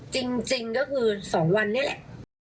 จริงก็คือ๒วันนี้แหละ